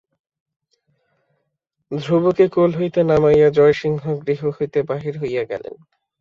ধ্রুবকে কোল হইতে নামাইয়া জয়সিংহ গৃহ হইতে বাহির হইয়া গেলেন।